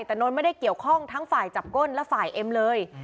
แต่นนท์ไม่ได้เกี่ยวข้องทั้งฝ่ายจับก้นและฝ่ายเอ็มเลย